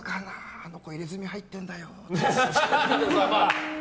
あの子、入れ墨入ってるんだよとか。